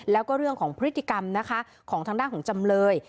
แล้วก็เรื่องของพฤติกรรมนะคะของทางด้านของจำเลย